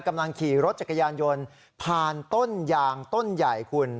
กำลังขี่รถจักรยานยนต์ผ่านต้นยางต้นใหญ่คุณ